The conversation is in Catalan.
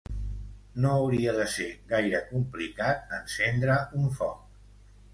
No hauria de ser gaire complicat encendre un foc.